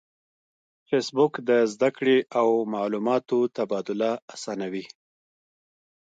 فېسبوک د زده کړې او معلوماتو تبادله آسانوي